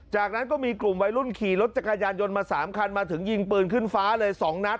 จากนั้นก็มีกลุ่มวัยรุ่นขี่รถจักรยานยนต์มา๓คันมาถึงยิงปืนขึ้นฟ้าเลย๒นัด